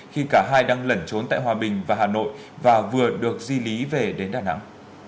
khi cả hai đang lẩn trốn tại hòa bình và hà nội và vừa được di lý về đến đà nẵng